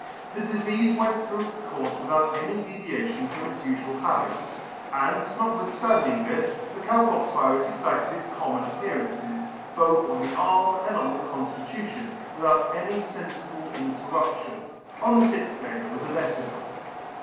The difeafe went through its courfe with out any deviation from its ufual habits ; and, notwithstanding this, the Cow pox virus excited its common appearances, both T on [ >38 3 on the arm and on the constitution, without any fenfible inter ruption ; on the Sixth day there was a veficle.